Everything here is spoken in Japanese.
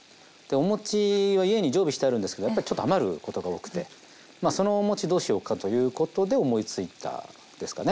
お餅は家に常備してあるんですけどやっぱりちょっと余ることが多くてまあそのお餅どうしようかということで思いついたですかね。